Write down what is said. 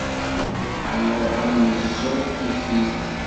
Ad nruḥ ad neẓẓu ifit.